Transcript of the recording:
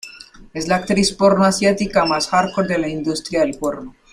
Es la actriz porno asiática más hardcore de la industria del porno.